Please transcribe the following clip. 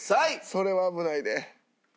それは危ないで。